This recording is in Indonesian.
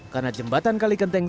karena jembatan kali kenteng